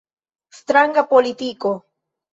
Stranga politiko.